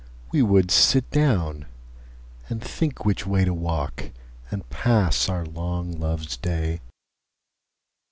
We would sit down, and think which wayTo walk, and pass our long Loves Day.